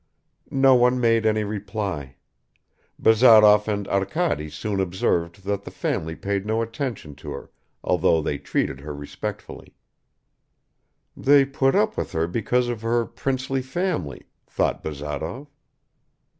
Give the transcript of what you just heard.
No one made any reply. Bazarov and Arkady soon observed that the family paid no attention to her although they treated her respectfully. "They put up with her because of her princely family," thought Bazarov.